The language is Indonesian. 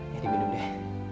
ya dibendung deh